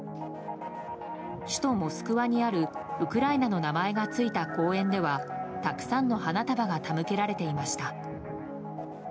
首都モスクワにあるウクライナの名前がついた公園ではたくさんの花束が手向けられていました。